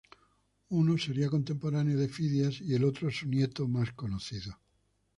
Uno sería contemporáneo de Fidias y el otro su más conocido nieto.